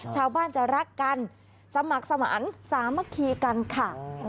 ชาวบ้านจะรักกันสมัครสมันสามัคคีกันค่ะ